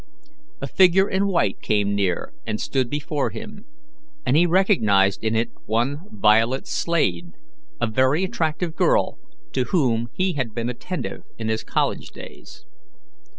A figure in white came near and stood before him, and he recognized in it one Violet Slade, a very attractive girl to whom he had been attentive in his college days.